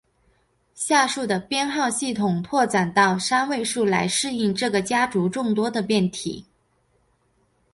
下述的编号系统拓展到三位数来适应这个家族众多的变体。